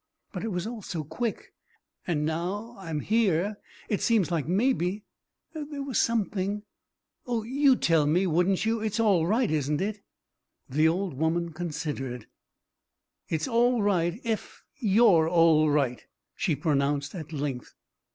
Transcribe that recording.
But it was all so quick, and now I'm here it seems like maybe there was something Oh, you'd tell me, wouldn't you? It is all right, isn't it?" The old woman considered. "It's all right ef you're all right," she pronounced at length.